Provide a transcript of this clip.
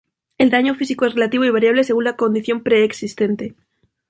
El daño físico es relativo y variable según la condición preexistente.